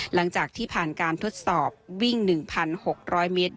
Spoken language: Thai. หลังจากที่ผ่านการทดสอบวิ่ง๑๖๐๐เมตร